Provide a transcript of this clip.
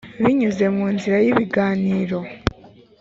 binyuze mu nzira y ibiganiro